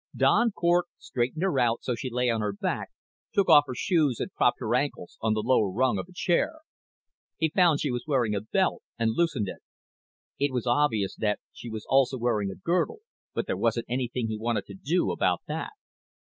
Don Cort straightened her out so she lay on her back, took off her shoes and propped her ankles on the lower rung of a chair. He found she was wearing a belt and loosened it. It was obvious that she was also wearing a girdle but there wasn't anything he wanted to do about that.